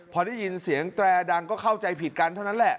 พอได้ยินเสียงแตรดังก็เข้าใจผิดกันเท่านั้นแหละ